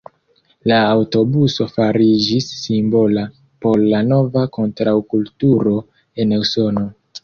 La aŭtobuso fariĝis simbola por la nova kontraŭkulturo en Usono.